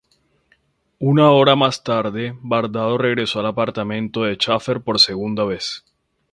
Una hora más tarde, Bardo regresó al apartamento de Schaeffer por segunda vez.